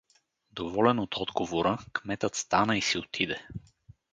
Доволен от отговора, кметът стана и си отиде.